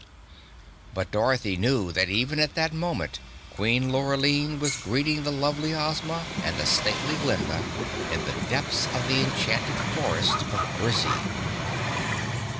But Dorothy knew that even at that moment Queen Lurline was greeting the lovely Ozma and the stately Glinda in the depths of the enchanted Forest of Burzee.